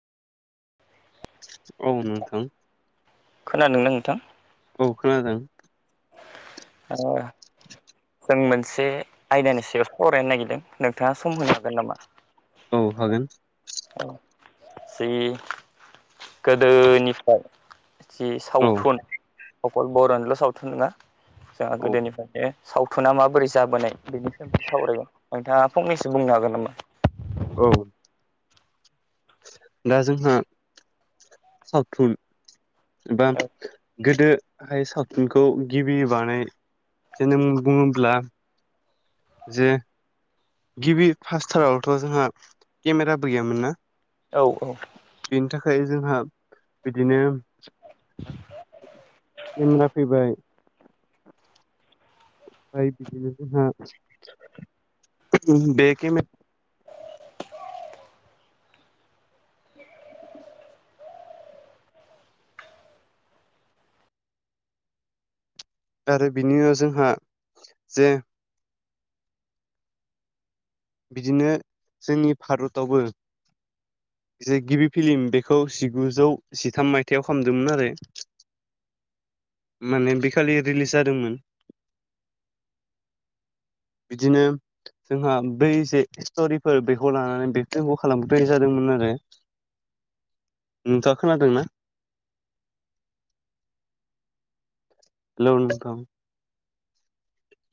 औ नोंथां खोनादों ना नोंथां? औ खोनादों। ओ जों मोनसे आयदानि सायाव सावरायनो नागिरदों नोंथाङा सम होनो हागोन नामा? औ हागोन। अ जि गोदोनिफ्राय जि औ सावथुन अकल बर'निल' सावथुन नङा जोंहा औ गोदोनिफ्रायनो सावथुना माबोरै जाबोनाय बेनि सायाव सावरायगोन नोंथाङा फंनैसो बुंनो हागोन नामा? औ दा जोंहा सावथुन एबा औ गोदोहाय सावथुनखौ गिबि बानाय जोनोम बुङोब्ला जे गिबि फारास्टारावथ' जोंहा केमेराबो गैयामोन ना? औ औ बेनि थाखाय जोंहा बिदिनो केमेरा फैबाय ओमफ्राय बिदिनो जोंहा ओम बे केमेरा आरो बिनि उनाव जोंहा जे बिदिनो जोंनि भारतावबो जे गिबि फिल्म बेखौ जिगुजौ जिथाम मायथाइयाव खामदोंमोन आरो। [inaudible] माने बेखालि रिलिस जादोंमोन। बिदिनो जोंहा बै जे स्ट'रिफोर बेखौ लानानै बेक्टिंखौ खालामनाय जादोंमोन आरो। नोंथाङा खोनादोंना। हेल' नोंथां।